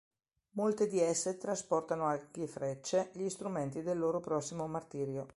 Molte di esse trasportano archi e frecce, gli strumenti del loro prossimo martirio.